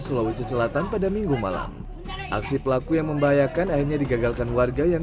sulawesi selatan pada minggu malam aksi pelaku yang membahayakan akhirnya digagalkan warga yang